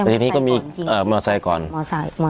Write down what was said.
เท่าใหร่มอไซค์ก่อนจริง